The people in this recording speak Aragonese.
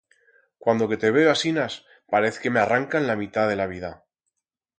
Cuando que te veo asinas, parez que m'arrancan la mitat de la vida.